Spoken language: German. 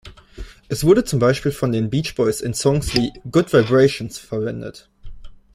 Es wurde zum Beispiel von den Beach Boys in Songs wie „Good Vibrations“ verwendet.